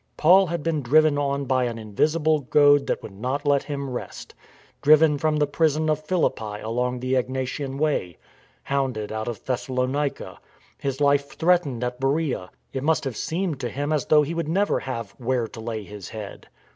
Paul had been driven on by an invisible goad that would not let him rest; driven from the prison of Philippi along the Egnatian Way; hounded out of Thessalonica; his life threatened at Beroea; it must have seemed to him as though he would never have " where to lay his head."